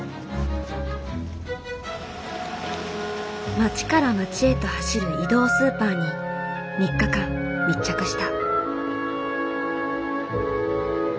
町から町へと走る移動スーパーに３日間密着した。